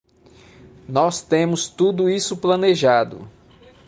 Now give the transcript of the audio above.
Nós temos tudo isso planejado.